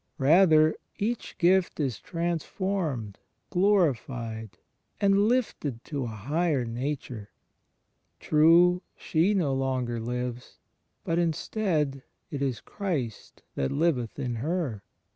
Rather, each gift is transformed, glorified, and lifted to a higher nature. True, she "no longer lives"; but instead it is " Christ that liveth in her."